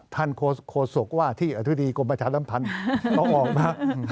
ท่านโคศกว่าที่อธิดีกรมประชาติลำพันธ์เอาออกมา